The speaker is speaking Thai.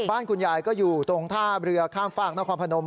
บ้านคุณยายก็อยู่ตรงท่าเรือข้ามฝากนครพนม